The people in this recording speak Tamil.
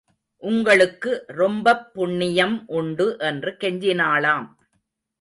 உங்களுக்கு ரொம்பப் புண்ணியம் உண்டு என்று கெஞ்சினாளாம்.